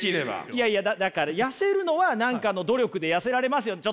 いやいやだから痩せるのは何かの努力で痩せられますよね。